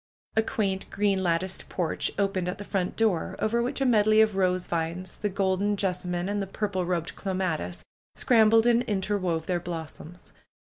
A quaint, green latticed porch opened at the front door, over which a medley of rose vines, the golden jessamine, and the purple robed clematis, scram bled and interwove their blossoms.